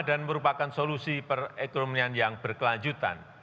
dan merupakan solusi perekonomian yang berkelanjutan